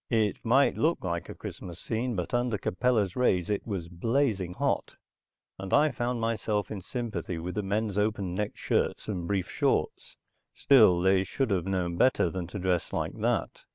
It might look like a Christmas scene, but under Capella's rays it was blazing hot, and I found myself in sympathy with the men's open necked shirts and brief shorts. Still, they should have known better than to dress like that.